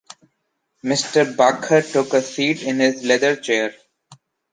Mr. Bäcker took a seat in his leather chair.